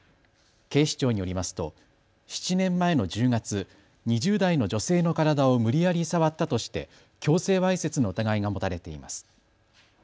警視庁によりますと７年前の１０月、２０代の女性の体を無理やり触ったとして強制わいせつの疑いが持たれています。